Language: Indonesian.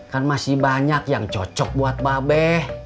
kan masih banyak yang cocok buat mba be